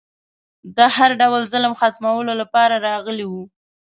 د هر ډول ظلم ختمولو لپاره راغلی و